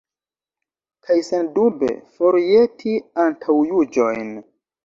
Kaj sendube forjeti antaŭjuĝojn.